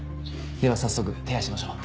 では早速手配しましょう。